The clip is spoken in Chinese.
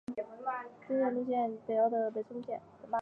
登顶路线是行经北坳的北侧路线。